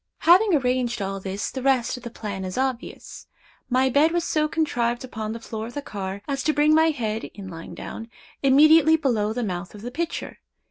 Having arranged all this, the rest of the plan is obvious. My bed was so contrived upon the floor of the car, as to bring my head, in lying down, immediately below the mouth of the pitcher.